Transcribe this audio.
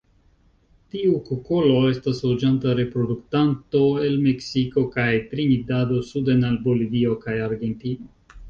Tiu kukolo estas loĝanta reproduktanto el Meksiko kaj Trinidado suden al Bolivio kaj Argentino.